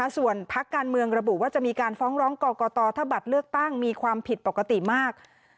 ส่วนพักการเมืองระบุว่าจะมีการฟ้องร้องกรกตถ้าบัตรเลือกตั้งมีความผิดปกติมาก